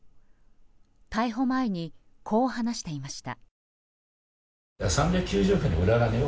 逮捕前にこう話していました。